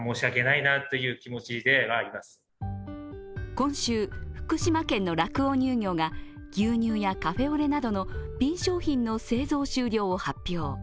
今週、福島県の酪王乳業が牛乳やカフェオレなど瓶商品の製造終了を発表。